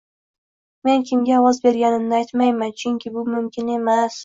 Men kimga ovoz berganimni aytmayman, chunki bu mumkin emas